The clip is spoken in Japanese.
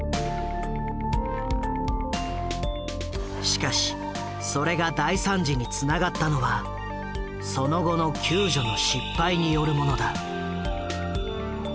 しかしそれが大惨事につながったのはその後の救助の失敗によるものだ。